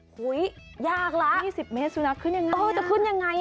หูยยากเหรอเพราะจะขึ้นอย่างไร